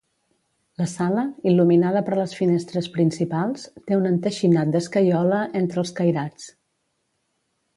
La sala, il·luminada per les finestres principals, té un enteixinat d'escaiola entre els cairats.